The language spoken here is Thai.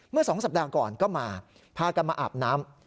เมื่อ๒สัปดาห์ก่อนก็มาพากันมาอาบน้ำ